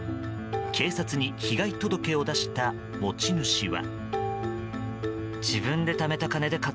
警察に被害届を出した持ち主は。